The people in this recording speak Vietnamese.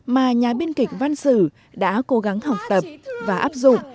mà nhà biên kịch văn sử đã cố gắng học tập và áp dụng